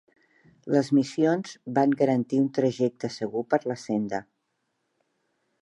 Les missions van garantir un trajecte segur per la senda.